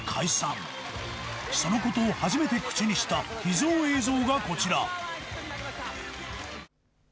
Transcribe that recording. その事を初めて口にした秘蔵映像がこちら。